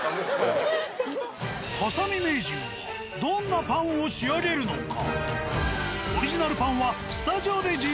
挟み名人はどんなパンを仕上げるのか？